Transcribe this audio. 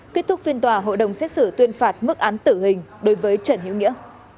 kết thúc phiên tòa hội đồng xét xử tuyên phạt mức án tử hình đối với trần hiếu nghĩa